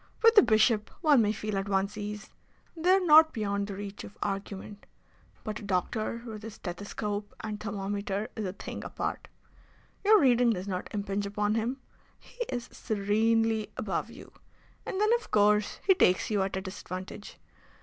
With a bishop one may feel at one's ease. They are not beyond the reach of argument. But a doctor with his stethoscope and thermometer is a thing apart. Your reading does not impinge upon him. He is serenely above you. And then, of course, he takes you at a disadvantage.